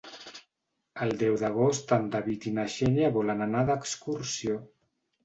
El deu d'agost en David i na Xènia volen anar d'excursió.